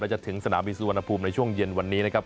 จะถึงสนามบินสุวรรณภูมิในช่วงเย็นวันนี้นะครับ